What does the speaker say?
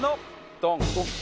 ドン！